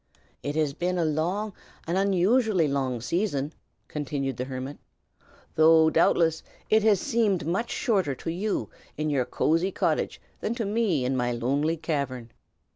"It has been a long, an unusually long, season," continued the hermit, "though doubtless it has seemed much shorter to you in your cosey cottage than to me in my lonely cavern.